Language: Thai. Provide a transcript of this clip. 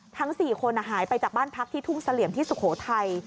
ทั้ง๔คนหายไปจากบ้านพักที่ทุ่งเสลี่ยมที่สุโขทัย